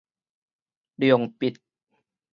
諒必